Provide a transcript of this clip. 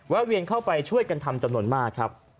เวียนเข้าไปช่วยกันทำจำนวนมากครับ